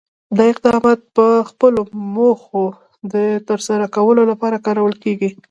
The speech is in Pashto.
دا اقدامات د خپلو موخو د ترسره کولو لپاره کارول کېږي.